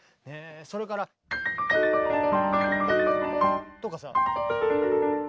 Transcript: それから。とかさ。